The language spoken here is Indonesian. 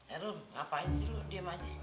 eh rum ngapain sih lu diam aja